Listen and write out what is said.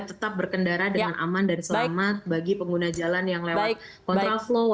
tetap berkendara dengan aman dan selamat bagi pengguna jalan yang lewat kontraflow